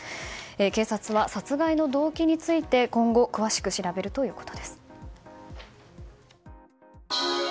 警察は殺害の動機について今後詳しく調べるということです。